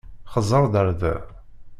Xeẓẓeṛ-d ar da!